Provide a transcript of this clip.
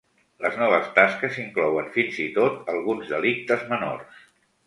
Les noves tasques inclouen fins i tot alguns delictes menors.